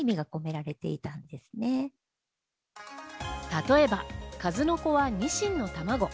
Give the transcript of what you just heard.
例えば、数の子はニシンの卵。